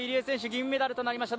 銀メダルとなりました。